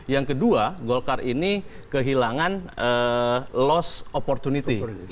yang kedua goal card ini kehilangan loss opportunity